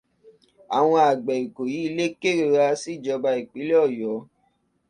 Àwọn àgbẹ̀ Ìkòyí Ilé kérora síjọba ìpínlẹ̀ Ọ̀yọ́.